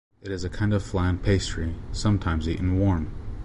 It is a kind of flan pastry, sometimes eaten warm.